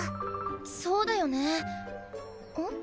そうだよねん？